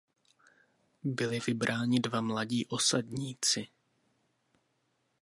Byli vybráni dva mladí osadníci.